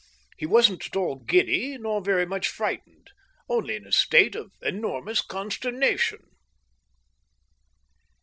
He wasn't at all giddy nor very much frightened, only in a state of enormous consternation.